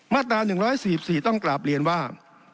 มาตรา๑๔๔ต้องกราบเรียนว่า